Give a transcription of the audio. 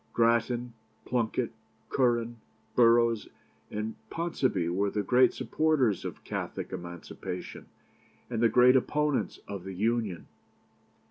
Grattan, Plunket, Curran, Burrowes, and Ponsonby were the great supporters of Catholic Emancipation, and the great opponents of the Union.